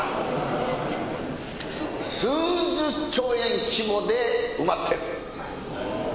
「数十兆円規模で埋まってる」